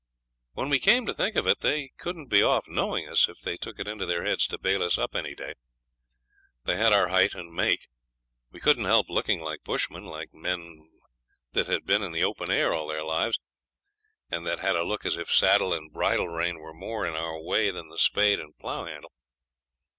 When we came to think of it, they couldn't be off knowing us, if they took it into their heads to bail us up any day. They had our height and make. We couldn't help looking like bushmen like men that had been in the open air all their lives, and that had a look as if saddle and bridle rein were more in our way than the spade and plough handle.